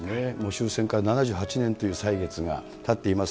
終戦から７８年という歳月がたっています。